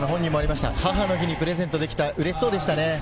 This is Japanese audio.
母の日にプレゼントできた、嬉しそうでしたね。